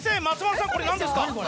松丸さんこれ何ですか？